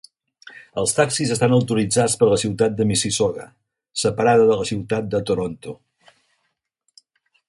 Els taxis estan autoritzats per la ciutat de Mississauga, separada de la ciutat de Toronto.